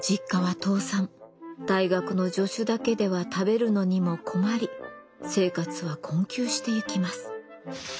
大学の助手だけでは食べるのにも困り生活は困窮してゆきます。